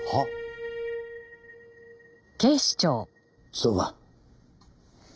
そうか。